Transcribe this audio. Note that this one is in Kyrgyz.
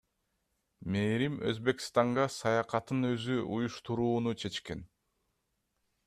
Мээрим Өзбекстанга саякатын өзү уюштурууну чечкен.